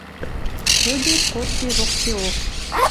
Тӹдет кодде воксеок.